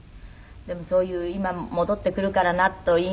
でもそういう「今戻って来るからな」と言いながら。